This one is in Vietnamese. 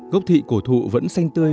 gốc thị cổ thụ vẫn xanh tươi